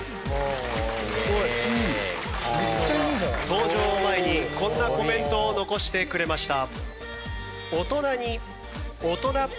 登場の前にこんなコメントを残してくれました。